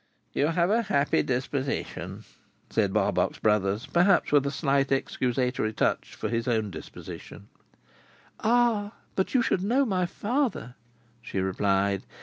"You have a happy disposition," said Barbox Brothers: perhaps with a slight excusatory touch for his own disposition. "Ah! But you should know my father," she replied.